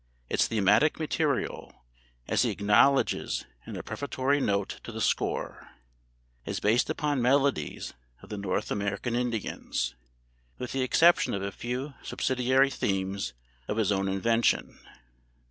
Its thematic material, as he acknowledges in a prefatory note to the score, is based upon melodies of the North American Indians, with the exception of a few subsidiary themes of his own invention.